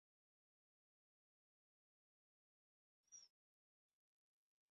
Olabika ogenda kusisinkana mwagalwa wo.